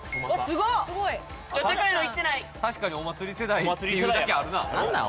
すごい確かにお祭り世代っていうだけあるな何なん？